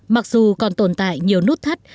mặc dù còn tồn tại nhiều nút thắt